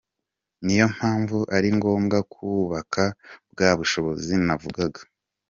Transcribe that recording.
Niyo mpamvu ari ngombwa kubaka bwa bushobozi navugaga.